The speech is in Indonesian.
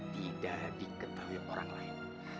tidak diketahui orang lain